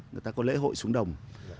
người ta có lễ hội súng đồng